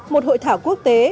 một hội thảo quốc tế